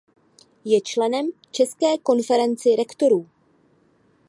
Je členem České konferenci rektorů.